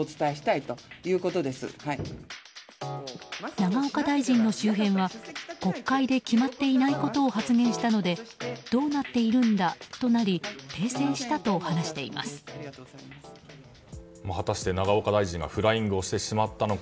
永岡大臣の周辺は国会で決まっていないことを発言したのでどうなっているんだとなり果たして永岡大臣はフライングをしてしまったのか。